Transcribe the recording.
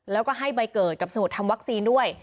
แล้วก็ให้ใบเกิดกับสมุดทำวัคซีนด้วย